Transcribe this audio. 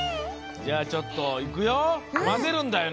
じゃあちょっといくよ！